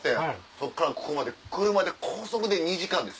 そっからここまで車で高速で２時間ですよ。